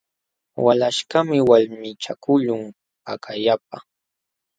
Walaśhkaqmi walmichakuqlun pakallapa.